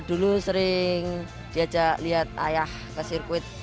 dulu sering diajak lihat ayah ke sirkuit